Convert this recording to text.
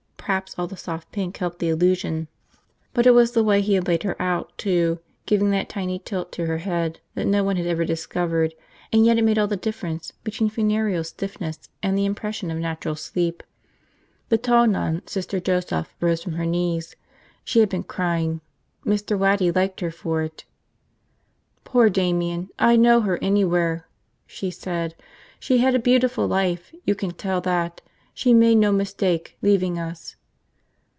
Perhaps all the soft pink helped the illusion. But it was the way he had laid her out, too, giving that tiny tilt to the head that no one had ever discovered and yet it made all the difference between funereal stiffness and the impression of natural sleep. The tall nun, Sister Joseph, rose from her knees. She had been crying. Mr. Waddy liked her for it. "Poor Damian. I'd know her anywhere," she said. "She had a beautiful life, you can tell that. She made no mistake, leaving us."